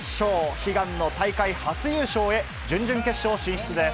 悲願の大会初優勝へ、準々決勝進出です。